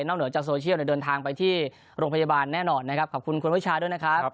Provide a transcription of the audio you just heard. เหนือจากโซเชียลเดินทางไปที่โรงพยาบาลแน่นอนนะครับขอบคุณคุณวิชาด้วยนะครับ